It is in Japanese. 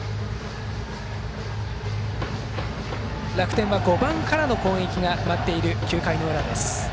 楽天は５番からの攻撃が待っている９回の裏です。